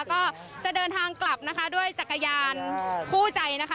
ก็จะเดินทางกลับนะคะด้วยจักรยานคู่ใจนะคะ